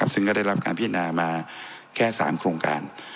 ซึ่งก็ได้รับการพินามาแค่๓โครงการ